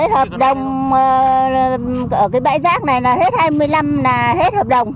hợp đồng của cái bãi rác này là hết hai mươi năm là hết hợp đồng